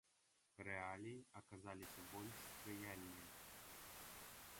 Рэаліі аказаліся больш спрыяльныя.